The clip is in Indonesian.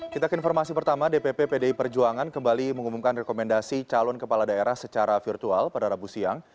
kita ke informasi pertama dpp pdi perjuangan kembali mengumumkan rekomendasi calon kepala daerah secara virtual pada rabu siang